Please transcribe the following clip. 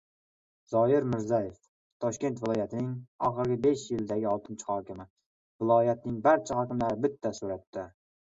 Zoir Mirzayev — Toshkent viloyatining oxirgi besh yildagi oltinchi hokimi. Viloyatning barcha hokimlari — bitta suratda